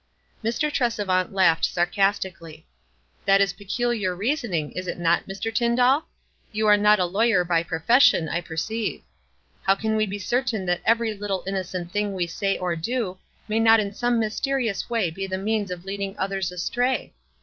Mr. Tresevaut laughed sarcastiaclly. "That is peculiar reasoning, is it not, Mr. Tyndall? You are not a lawyer by profession, I perceive. How can we be certain that every little innocent thing we say or do may not in some mysterious way be the means of lending others astray?